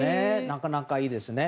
なかなかいいですね。